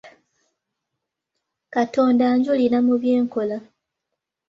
Katonda anjulira mu bye nkola.